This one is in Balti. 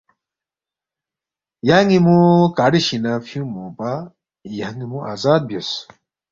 یان٘ی مو کاڑو شِنگ لہ فیُونگمو پا یان٘ی مو آزاد بیوس